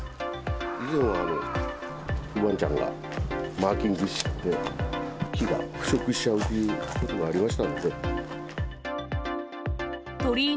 以前はわんちゃんがマーキングしちゃって、木が腐食してしまうということがありましたので。